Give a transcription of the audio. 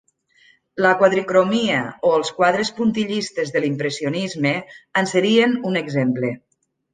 La quadricromia, o els quadres puntillistes de l'impressionisme, en serien un exemple.